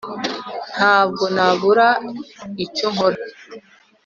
nta bwo nabura icyonkora